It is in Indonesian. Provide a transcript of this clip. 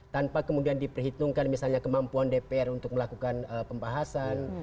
tanpa kemudian diperhitungkan misalnya kemampuan dpr untuk melakukan pembahasan